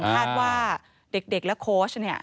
คาดว่าเด็กและโค้ชเนี่ย